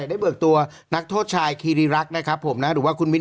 ได้เบือกตัวมิธรไปต่อ